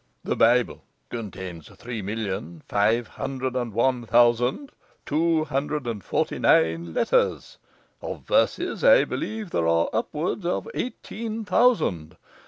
'The Bible contains three million five hundred and one thousand two hundred and forty nine letters. Of verses I believe there are upward of eighteen thousand.